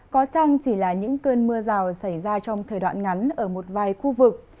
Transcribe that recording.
có chăng chỉ là những cơn mưa rào xảy ra trong thời đoạn ngắn ở một vài khu vực